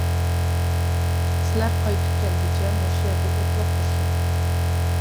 سىلەر قايتىپ كەلگۈچە مۇشۇ يەردە ئوتلاپ تۇرسۇن.